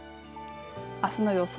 あすの予想